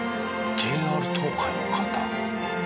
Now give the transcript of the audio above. ＪＲ東海の方。